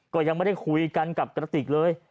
ก็ยังไม่ได้คุยกันกับกระติกเลย